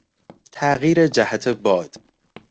تغییر جهت باد